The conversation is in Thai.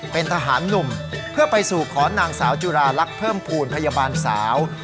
เป็นทหารหนุ่มเพื่อไปสู่ขอนางสาวจุราลักษณ์เพิ่มภูมิพยาบาลสาว